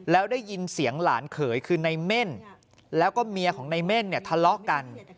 แล้วได้ยินเสียงหลานเขยคือในเม่นแล้วก็เมียของในเม่นเนี่ยทะเลาะกัน